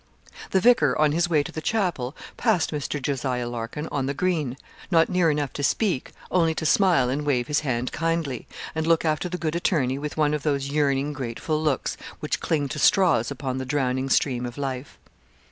The vicar on his way to the chapel passed Mr. Jos. Larkin on the green not near enough to speak only to smile and wave his hand kindly, and look after the good attorney with one of those yearning grateful looks, which cling to straws upon the drowning stream of life.